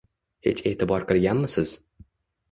Hech e`tibor qilganmisiz